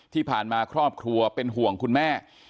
ที่ผ่านมาครอบครัวเป็นห่วงคุณแม่